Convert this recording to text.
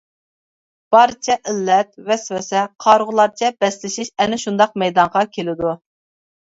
بارچە ئىللەت، ۋەسۋەسە، قارىغۇلارچە بەسلىشىش ئەنە شۇنداق مەيدانغا كېلىدۇ.